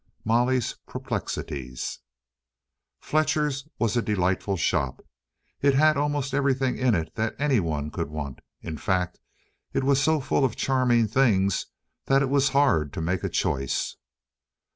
Molly's Perplexities Fletcher's was a delightful shop. It had almost everything in it that anyone could want. In fact it was so full of charming things that it was hard to make a choice.